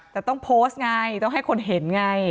แต่ต้องโพสต์ไงต้องให้คนเห็นไง